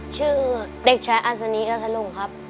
ชื่อเด็กชายอัศนีอสลุงครับ